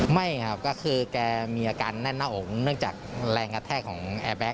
ไม่ครับก็คือแกมีอาการแน่นหน้าอกเนื่องจากแรงกระแทกของแอร์แก๊